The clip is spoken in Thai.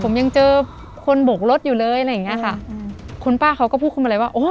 ผมยังเจอคนบกรถอยู่เลยอะไรอย่างเงี้ยค่ะอืมคุณป้าเขาก็พูดขึ้นมาเลยว่าโอ้